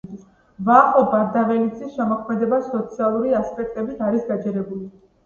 ვახო ბარდაველიძის შემოქმედება სოციალური ასპექტებით არის გაჯერებული.